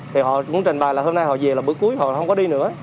thì họ cũng trình bài là hôm nay họ về là bữa cuối họ không có đi nữa